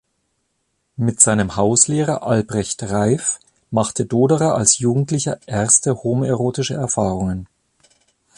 Mit seinem Hauslehrer Albrecht Reif machte Doderer als Jugendlicher erste homoerotische Erfahrungen.